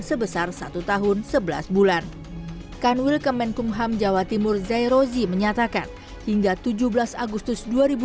sebesar satu tahun sebelas bulan kan wilkemen kumham jawa timur zairozi menyatakan hingga tujuh belas agustus